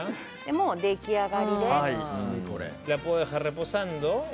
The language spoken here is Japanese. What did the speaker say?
もう出来上がりです。